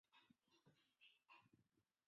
沙西人口变化图示